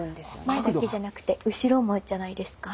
前だけじゃなくて後ろもじゃないですか